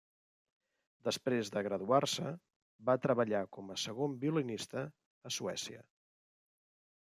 Després de graduar-se, va treballar com a segon violinista a Suècia.